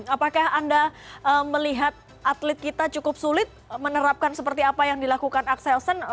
apakah anda melihat atlet kita cukup sulit menerapkan seperti apa yang dilakukan axelsen